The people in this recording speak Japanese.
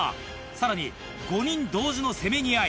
さらに５人同時のせめぎ合い。